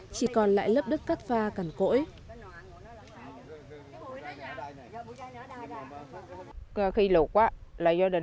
chỉ còn lại lớp đất cắt pha cằn cỗi